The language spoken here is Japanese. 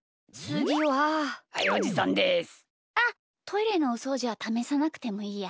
あっトイレのおそうじはためさなくてもいいや。